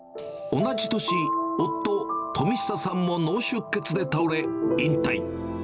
同じ年、夫、富久さんも脳出血で倒れ、引退。